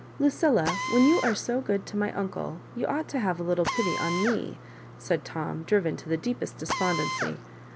" Lucilla^ when you are so good to my uncle, you ought to have a little pity on me," said Tom, driven to the deepest despondency.